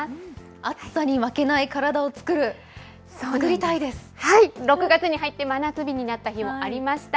暑さに負けない体を作る、作はい、６月に入って、真夏日になった日もありました。